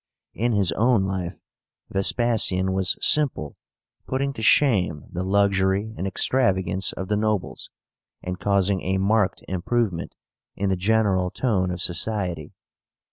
In his own life Vespasian was simple, putting to shame the luxury and extravagance of the nobles, and causing a marked improvement in the general tone of society.